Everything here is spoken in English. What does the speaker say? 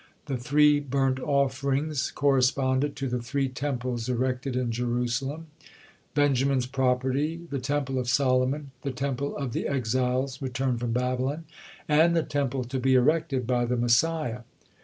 The three burnt offering corresponded to the three temples erected in Jerusalem, Benjamin's property, the Temple of Solomon, the Temple of the exiles returned from Babylon, and the Temple to be erected by the Messiah.